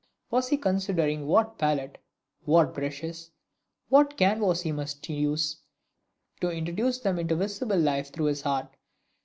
Was he considering what pallet, what brushes, what canvas he must use, to introduce them into visible life through his art?